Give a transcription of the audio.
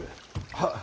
はっ。